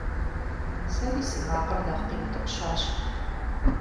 Сэри си макъыр нэхъ къиутӀыпщащ.